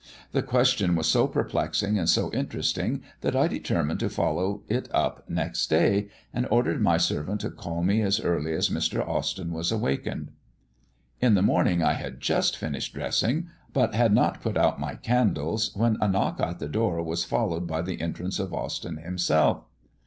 The question was so perplexing and so interesting that I determined to follow it up next day, and ordered my servant to call me as early as Mr. Austyn was wakened. In the morning I had just finished dressing, but had not put out my candles, when a knock at the door was followed by the entrance of Austyn himself.